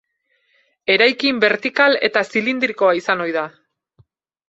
Eraikin bertikal eta zilindrikoa izan ohi da.